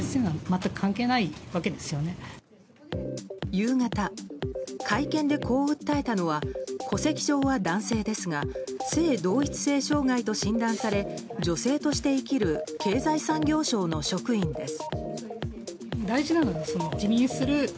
夕方、会見でこう訴えたのは戸籍上は男性ですが性同一性障害と診断され女性として生きる経済産業省の職員です。